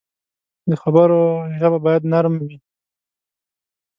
د خبرو ژبه باید نرم وي